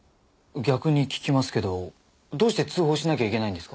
逆に聞きますけどどうして通報しなきゃいけないんですか？